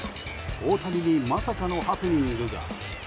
大谷にまさかのハプニングが。